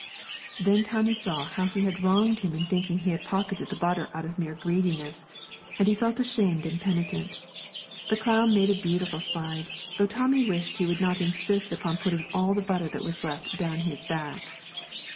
Then Tommy saw how he had wronged him in thinking he had pocketed the butter out of mere greediness, and he felt ashamed and penitent; the clown made a beautiful slide, though Tommy wished he would not insist upon putting all the butter that was left down his back.